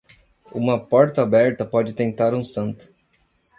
Uma porta aberta pode tentar um santo.